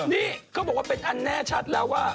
นี่เขาบอกว่าเป็นอันแน่ชัดแล้วว่า